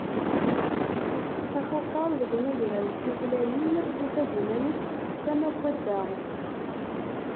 Axaṭer deg unagraw n tutlayin, tufa-d iman-is teṭṭef tama n wadda.